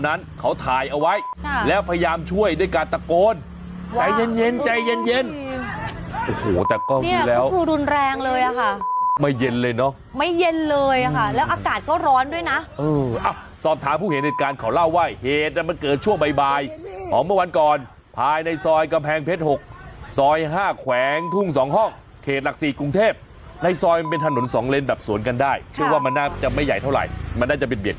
นั้นเขาถ่ายเอาไว้แล้วพยายามช่วยด้วยการตะโกนใจเย็นเย็นใจเย็นเย็นโอ้โหแต่ก็คือแล้วรุนแรงเลยอ่ะค่ะไม่เย็นเลยเนาะไม่เย็นเลยอ่ะค่ะแล้วอากาศก็ร้อนด้วยน่ะสอบถามผู้เห็นเหตุการณ์ขอเล่าว่าเหตุมันเกิดช่วงบ่ายบ่ายของเมื่อวันก่อนภายในซอยกระแพงเพชร๖ซอย๕แขวงทุ่ง๒ห้องเขตหลัก